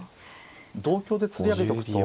同香でつり上げとくと。